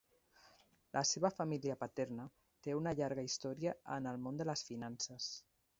La seva família paterna té una llarga història en el món de les finances.